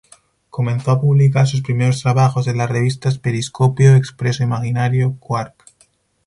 Comenzó a publicar sus primeros trabajos en las revistas Periscopio, Expreso Imaginario, Quark.